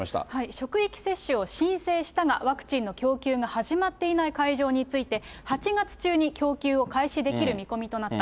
職域接種を申請したが、ワクチンの供給が始まっていない会場について、８月中に供給を開始できる見込みとなった。